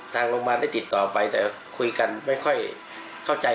ทางโรงพยาบาลได้ติดต่อไปแต่คุยกันไม่ค่อยเข้าใจ